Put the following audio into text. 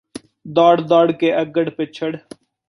ਦੌੜ ਦੌੜ ਕੇ ਅੱਗੜ ਪਿੱਛੜ